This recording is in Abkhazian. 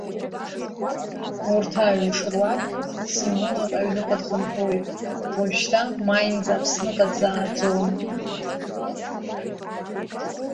Арҭ аҩымш руакы Симонов иҩныҟа дхынҳәуеит, уажәшьҭа маинӡа Аԥсныҟа дзааӡом.